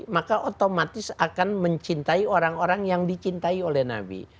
maka otomatis akan mencintai orang orang yang dicintai oleh nabi